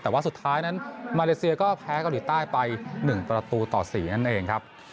แต่ว่าสุดท้ายนั้นมาเลเซียก็แพ้เกาหลีใต้ไป๑ประตูต่อ๔นั่นเองครับ